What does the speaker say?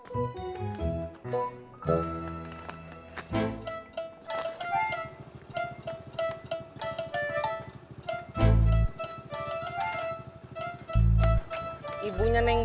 ibu telepon kang tisna buat nganterin aku